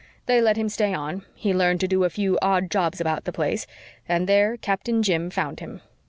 They let him stay on he learned to do a few odd jobs about the place and there Captain Jim found him.